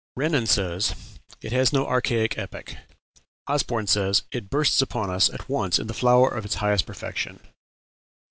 Renan says, "It has no archaic epoch." Osborn says, "It bursts upon us at once in the flower of its highest perfection."